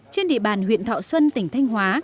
trên địa bàn huyện thọ xuân tỉnh thanh hóa